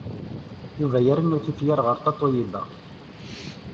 Yuba la irennu tifyar ɣer Tatoeba.